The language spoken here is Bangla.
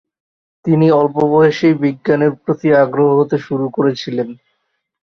তিনি অল্প বয়সেই বিজ্ঞানের প্রতি আগ্রহী হতে শুরু করেছিলেন।